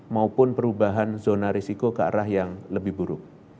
maupun perubahan zona risiko ke arah yang lebih buruk